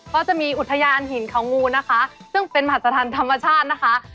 ก็จะมีอุทยานหินเขางูนะคะซึ่งเป็นมหัศจรรย์ธรรมชาตินะคะ